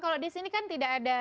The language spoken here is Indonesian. kalau di sini kan tidak ada